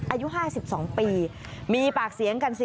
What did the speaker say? อายุ๕๒ปีมีปากเสียงกันสิ